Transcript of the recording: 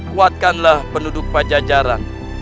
kuatkanlah penduduk pajajaran